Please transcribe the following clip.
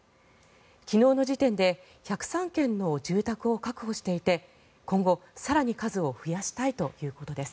昨日の時点で１０３軒の住宅を確保していて今後、更に数を増やしたいということです。